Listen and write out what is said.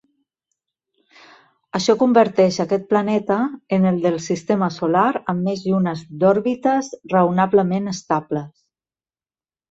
Això converteix aquest planeta en el del sistema solar amb més llunes d'òrbites raonablement estables.